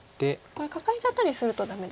これカカえちゃったりするとダメですか。